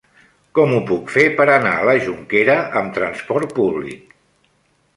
Com ho puc fer per anar a la Jonquera amb trasport públic?